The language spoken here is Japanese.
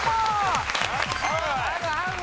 あるある！